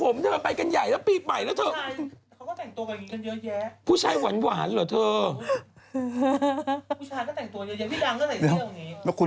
ไม่เหมือน